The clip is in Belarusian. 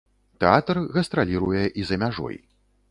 Тэатр гастраліруе і за мяжой.